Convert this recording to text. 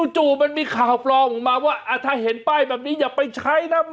จู่มันมีข่าวปลอมออกมาว่าถ้าเห็นป้ายแบบนี้อย่าไปใช้นะ